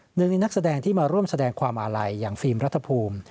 หนึ่งในนักแสดงที่มาร่วมแสดงความอาลัยอย่างฟิล์มรัฐภูมิ